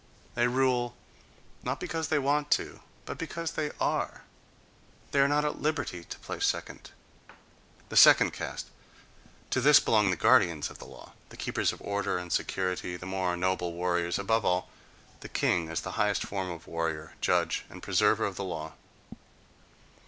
They rule, not because they want to, but because they are; they are not at liberty to play second.—The second caste: to this belong the guardians of the law, the keepers of order and security, the more noble warriors, above all, the king as the highest form of warrior, judge and preserver of the law.